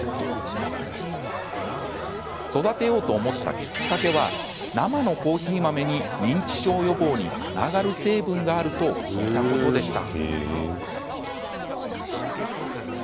育てようと思ったきっかけは生のコーヒー豆に認知症予防につながる成分があると聞いたことでした。